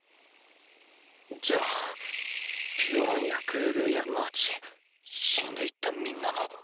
じゃあピオランやグーグーやマーチ死んでいった皆も！